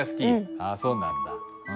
あっそうなんだ。